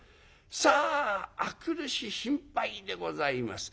さあ明くる日心配でございます。